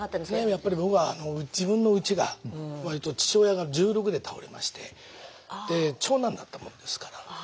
やっぱり僕は自分のうちが割と父親が１６で倒れまして長男だったもんですから。